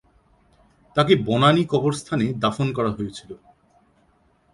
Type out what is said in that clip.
তাকে বনানী কবরস্থানে দাফন করা হয়েছিল।